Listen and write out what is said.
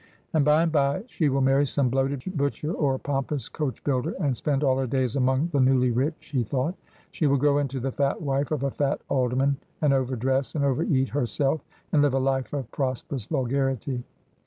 ' And by and by she will marry some bloated butcher or poifl|)ous coach builder, and spend all her daj s among the newly rich,' he thought. ' She will grow into the fat wife of a fat alderman, and overdress and overeat herself, and live a life of prosperous vulgarity.'